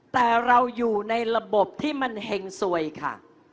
แต่เราอยู่ในระบบที่มันเห็งสวยค่ะ